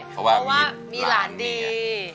เพราะว่ามีหลานดี